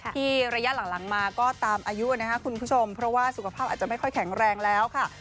ระยะหลังมาก็ตามอายุนะครับคุณผู้ชมเพราะว่าสุขภาพอาจจะไม่ค่อยแข็งแรงแล้วค่ะ